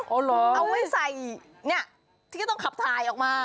เอาไว้ใส่เนี่ยที่ก็ต้องขับถ่ายออกมา